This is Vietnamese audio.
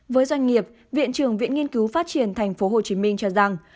với doanh nghiệp viện trường viện nghiên cứu phát triển thành phố hồ chí minh cho rằng